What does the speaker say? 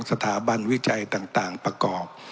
สถาบันวิจัยต่างประกอบ